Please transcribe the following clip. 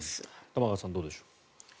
玉川さん、どうでしょう。